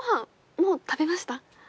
もう食べました？